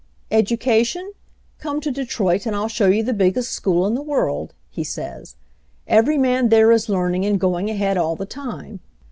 "Education? Come to Detroit and I'll show you the biggest school in the world," he says. "Every man there is learning and going ahead all the time.